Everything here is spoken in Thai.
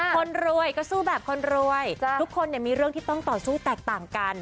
คนรวยก็สู้แบบคนรวยทุกคนมีเรื่องที่ต้องต่อสู้แตกต่างกัน